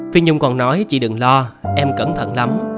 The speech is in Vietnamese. phi nhung còn nói chị đừng lo em cẩn thận lắm